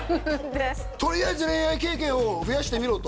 とりあえず恋愛経験を増やしてみろと？